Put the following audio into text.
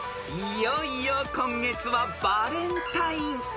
［いよいよ今月はバレンタイン］